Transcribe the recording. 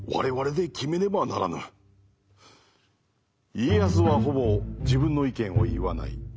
家康はほぼ自分の意見を言わない。